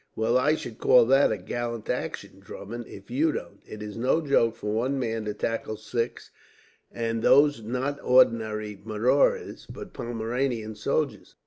"Well I should call that a gallant action, Drummond, if you don't. It is no joke for one man to tackle six, and those not ordinary marauders but Pomeranian soldiers.